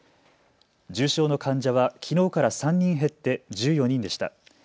重症の患者はきのうから３人減って１４人でした。